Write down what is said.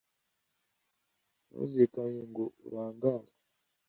Ntuzikange ngo urangare